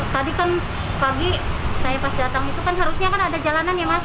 tadi kan pagi saya pas datang itu kan harusnya kan ada jalanan ya mas